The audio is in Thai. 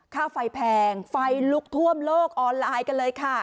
ค่าไฟแพงไฟลุกท่วมโลกออนไลน์กันเลยค่ะ